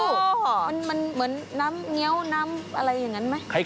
มันเหมือนน้ำเงี้ยวน้ำอะไรอย่างนั้นไหม